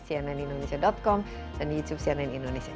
cnnindonesia com dan youtube cnn indonesia